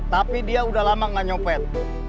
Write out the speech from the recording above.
tapi dia udah lama gak nyopet